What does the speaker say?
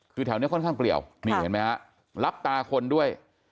คือแถวนี้ค่อนข้างเปรียวนี่เห็นมั้ยครับรับตาคนด้วย